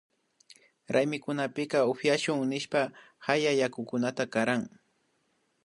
Raymikunapika upyashun nishpami hayak yakukunata karan